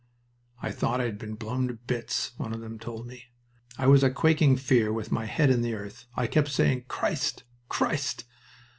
"I thought I had been blown to bits," one of them told me. "I was a quaking fear, with my head in the earth. I kept saying, 'Christ!... Christ!'"